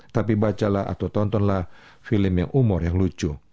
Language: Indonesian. tapi bacalah atau tontonlah film yang umur yang lucu